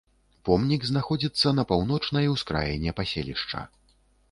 Помнік знаходзіцца на паўночнай ускраіне паселішча.